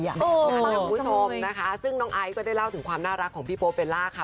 คุณผู้ชมนะคะซึ่งน้องไอภรรย์ก็ได้เล่าถึงความน่ารักของพี่โป๊บเบลล่าค่ะ